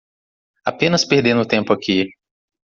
Apenas perdendo tempo aqui